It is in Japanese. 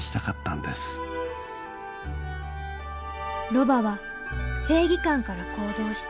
ロバは正義感から行動した。